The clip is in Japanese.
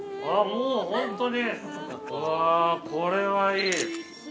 うわ、これはいい。